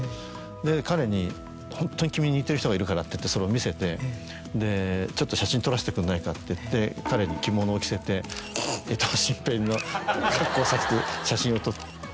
で彼に「ホントに君に似てる人がいるから」ってそれを見せて「ちょっと写真撮らせてくんないか」って彼に着物を着せて江藤新平の格好させて写真を撮る。